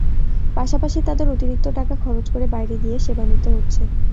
পাশাপাশি তাদের অতিরিক্ত টাকা খরচ করে বাইরে গিয়ে সেবা নিতে হচ্ছে।